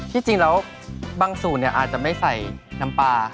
จริงแล้วบางสูตรอาจจะไม่ใส่น้ำปลา